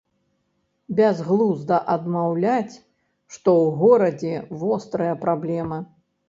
Бязглузда адмаўляць, што ў горадзе вострая праблема.